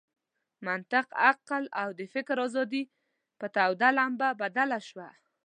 منطق، عقل او د فکر آزادي پر توده لمبه بدله شوه.